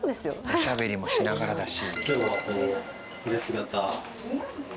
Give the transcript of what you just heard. おしゃべりもしながらだし。